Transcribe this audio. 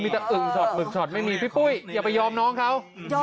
มึกชอตไม่มีพี่ปุ้ยอย่าไปยอมน้องเขา